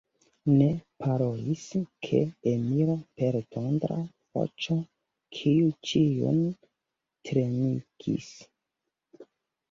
Ne! parolis la emiro per tondra voĉo, kiu ĉiujn tremigis.